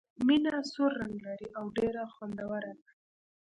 مڼه سور رنګ لري او ډېره خوندوره ده.